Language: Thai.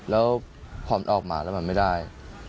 แล้วพอมันออกมาแล้วมันไม่ได้